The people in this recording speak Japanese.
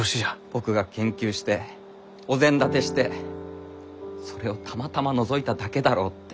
僕が研究してお膳立てしてそれをたまたまのぞいただけだろうって。